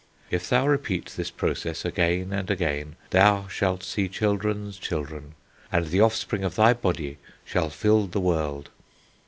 If thou repeat this process again and again, thou shalt see children's children, and the offspring of thy body shall fill the world.'